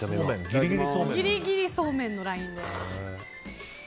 ギリギリそうめんのラインで。